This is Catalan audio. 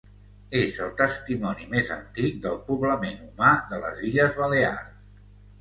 És el testimoni més antic del poblament humà de les Illes Balears.